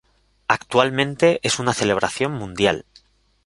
Actualmente es una celebración mundial.